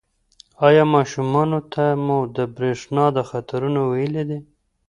ایا ماشومانو ته مو د برېښنا د خطرونو ویلي دي؟